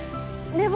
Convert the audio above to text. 寝坊？